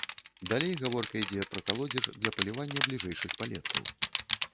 Далей гаворка ідзе пра калодзеж для палівання бліжэйшых палеткаў.